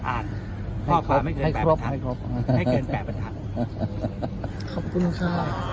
อ่านให้ครบให้ครบให้เกินแปรปัญหาขอบคุณค่ะ